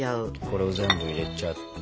これを全部入れちゃって。